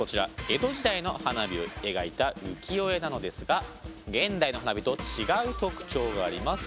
江戸時代の花火を描いた浮世絵なのですが現代の花火と違う特徴があります。